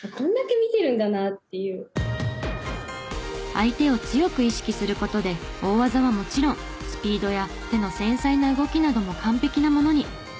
相手を強く意識する事で大技はもちろんスピードや手の繊細な動きなども完璧なものに。